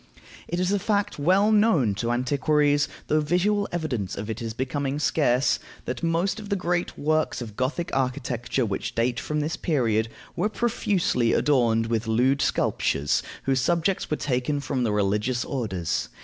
It is a fact well known to antiquaries, though visual evidence of it is becoming scarce, that most of the great works of Gothic architecture which date from this period were profusely adorned with lewd sculptures whose subjects were taken from the religious orders.